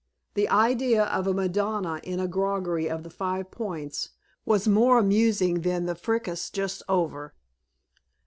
The idea of a Madonna in a groggery of the Five Points was more amusing than the fracas just over.